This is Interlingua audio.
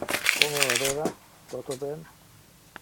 Como vadeva, toto ben?